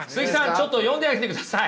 ちょっと読んであげてください。